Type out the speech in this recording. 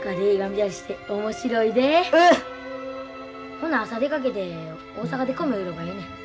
ほな朝出かけて大阪で米売ればええねん。